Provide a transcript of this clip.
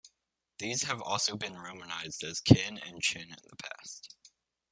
These have also been romanized as Kin and Chin in the past.